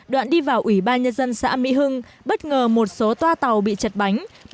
đoạn đi vào ủy ban nhân dân xã mỹ hưng bất ngờ một số toa tàu bị chật bánh